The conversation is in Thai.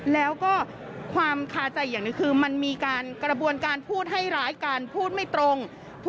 แล้วก็ความคาใจอย่างหนึ่งคือมันมีการกระบวนการพูดให้ร้ายการพูดไม่ตรง